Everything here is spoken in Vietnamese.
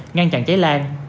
ngăn chặn cháy lan